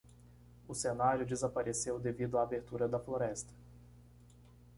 O cenário desapareceu devido à abertura da floresta